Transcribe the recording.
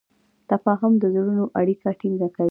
تفاهم د زړونو اړیکه ټینګه کوي.